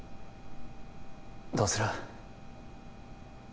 どうする？